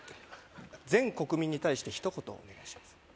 全国民に対して一言お願いします